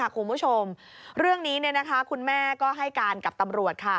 คุณผู้ชมเรื่องนี้คุณแม่ก็ให้การกับตำรวจ